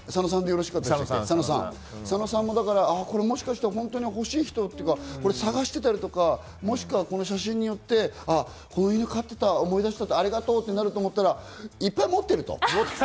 サノさんももしかして本当に欲しい人を捜してたりとか、この写真によってこの犬、飼ってた思い出してありがとうってなると思ったら、いっぱい持ってると。